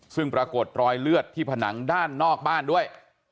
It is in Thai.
ซึ่งปรากฏรอยเลือดที่ผนังด้านนอกบ้านด้วย